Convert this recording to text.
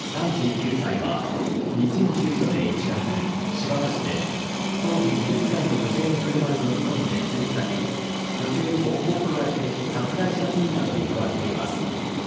３９歳は２０１４年１月新発田市で当時２０歳の女性の車に乗り込んで連れ去り女性に暴行を加えて殺害した罪などに問われています